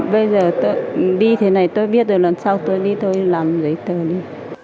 bây giờ đi thế này tôi biết rồi lần sau tôi đi tôi làm giấy tờ đi